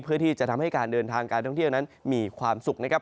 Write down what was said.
เพื่อที่จะทำให้การเดินทางการท่องเที่ยวนั้นมีความสุขนะครับ